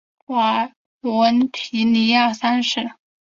瓦伦提尼安三世。